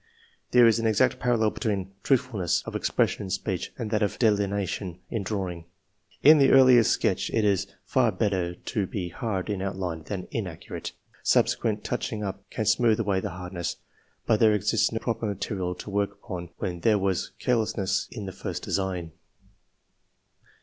There is an exact parallel between truthfulness of expression in speech and that of delineation in drawing. In the earliest sketch it is far II.] Q VALITIES. 143 better to be hard in outline than inaccurate. Subsequent touching up can smooth away the hardness; but there exists no proper material to work upon when there was carelessness in the first design.